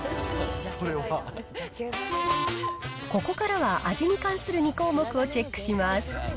ここからは味に関する２項目をチェックします。